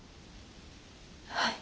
はい。